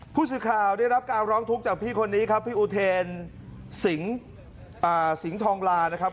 ผู้สื่อข่าวได้รับการร้องทุกข์จากพี่คนนี้ครับพี่อุเทนสิงสิงห์ทองลานะครับ